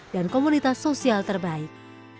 dan komunitas sosial terbaik